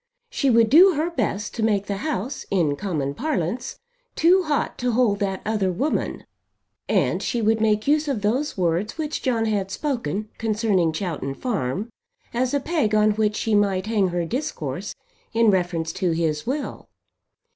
She would do her best to make the house, in common parlance, "too hot" to hold that other woman. And she would make use of those words which John had spoken concerning Chowton Farm as a peg on which she might hang her discourse in reference to his will.